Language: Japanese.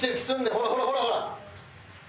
ほらほらほらほら！